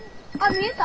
見えた？